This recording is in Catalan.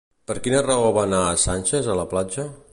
Per quina raó va anar Sànchez a la platja?